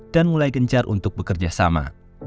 dan mulai gencar untuk bekerjasama